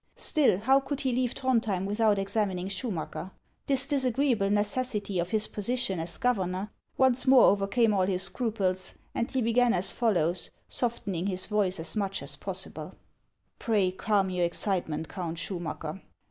Still, how could he leave Throndhjem without examining Schumacker ? This disagreeable necessity of his position as governor once more overcame all his scruples, and he began as follows, softening his voice as much as possible :" Pray, calm your excitement, Count Schumacker."